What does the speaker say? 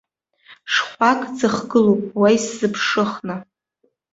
Шхәак ӡыхгылоуп уа исзыԥшыхны.